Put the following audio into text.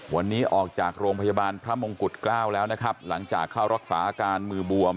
วันนี้ออกจากโรงพยาบาลพระมงกุฎเกล้าแล้วนะครับหลังจากเข้ารักษาอาการมือบวม